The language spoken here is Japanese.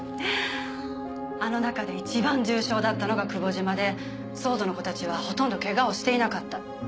あの中でいちばん重傷だったのが久保島でＳＷＯＲＤの子たちはほとんどケガをしていなかった。